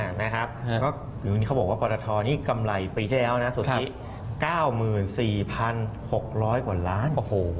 อย่างนี้เขาบอกว่าปรทนี่กำไรปีที่แล้วนะสุทธิ๙๔๖๐๐กว่าล้าน